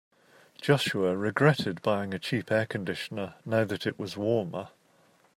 Joshua regretted buying a cheap air conditioner now that it was warmer.